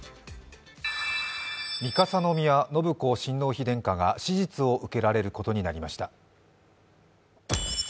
三笠宮信子親王妃殿下が手術を受けられることになりました。